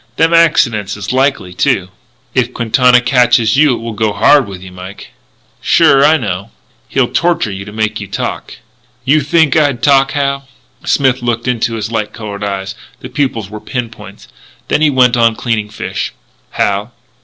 Them accidents is likely, too." "If Quintana catches you it will go hard with you, Mike." "Sure. I know." "He'll torture you to make you talk." "You think I'd talk, Hal?" Smith looked up into the light coloured eyes. The pupils were pin points. Then he went on cleaning fish. "Hal?"